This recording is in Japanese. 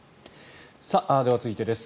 では続いてです。